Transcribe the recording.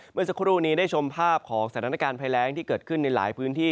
เมื่อสักครู่นี้ได้ชมภาพของสถานการณ์ภัยแรงที่เกิดขึ้นในหลายพื้นที่